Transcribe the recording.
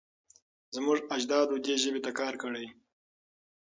زموږ اجدادو دې ژبې ته ډېر کار کړی.